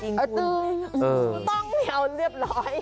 ต้องเอาเรียบร้อย